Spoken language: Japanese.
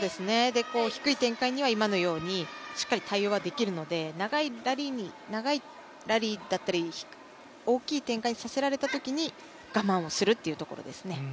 低い展開には、今のようにしっかり対応はできるので長いラリーだったり大きい展開にさせられたときに我慢をするというところですね。